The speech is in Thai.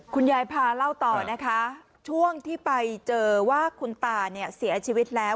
พาเล่าต่อนะคะช่วงที่ไปเจอว่าคุณตาเนี่ยเสียชีวิตแล้ว